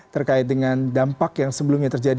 terkait dengan dampak yang sebelumnya terjadi